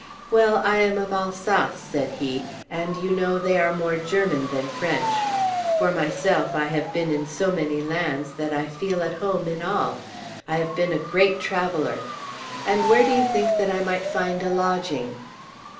"Well, I am of Alsace," said he; "and, you know, they are more German than French. For myself, I have been in so many lands that I feel at home in all. I have been a great traveller; and where do you think that I might find a lodging?"